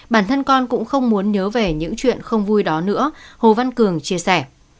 bản thân con cũng không muốn nhớ về những chuyện không vui đó nữa hồ văn cường chia sẻ